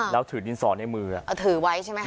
แล้วถือดินสอในมือถือไว้ใช่ไหมค